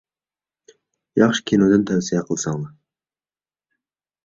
ياخشى كىنودىن تەۋسىيە قىلساڭلار.